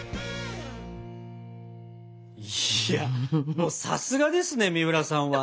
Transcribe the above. いやもうさすがですねみうらさんは。